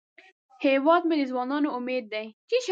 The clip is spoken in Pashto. هیواد مې د ځوانانو امید دی